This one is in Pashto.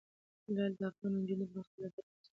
لعل د افغان نجونو د پرمختګ لپاره فرصتونه برابروي.